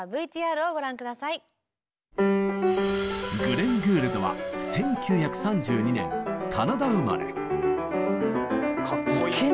グレン・グールドは１９３２年カナダ生まれ。